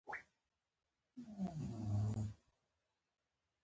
مالټه د ویښتانو د ځوړتیا مخنیوی کوي.